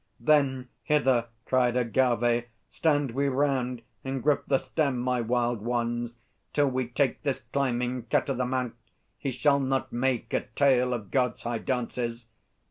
Then, "Hither," cried Agâvê; "stand we round And grip the stem, my Wild Ones, till we take This climbing cat o' the mount! He shall not make A tale of God's high dances!"